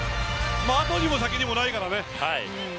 後にも先にもないからね。